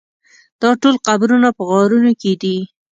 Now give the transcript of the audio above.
دا ټول قبرونه په غارونو کې دي.